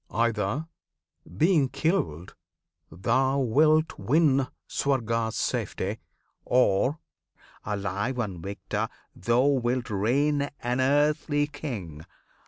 Either being killed Thou wilt win Swarga's safety, or alive And victor thou wilt reign an earthly king.